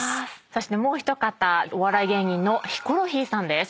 そしてもう一方お笑い芸人のヒコロヒーさんです。